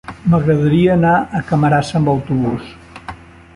M'agradaria anar a Camarasa amb autobús.